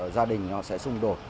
gia đình nó sẽ xung đột